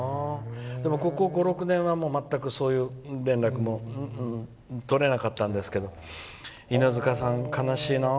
でも、ここ５６年は全く連絡も取れなかったんですが犬塚さん、悲しいな。